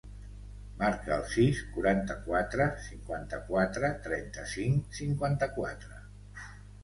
Marca el sis, quaranta-quatre, cinquanta-quatre, trenta-cinc, cinquanta-quatre.